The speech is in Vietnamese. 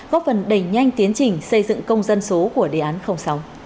góp phần đẩy nhanh tiến trình xây dựng công dân số của đề án sáu